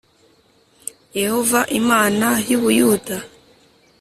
Yehova Imana y u Buyuda